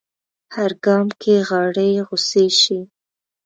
هر ګام کې غاړې غوڅې شي